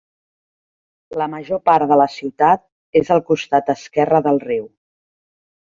La major part de la ciutat és al costat esquerre del riu.